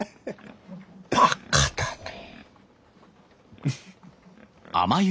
バカだねえ。